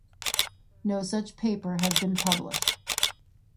No such paper has been published.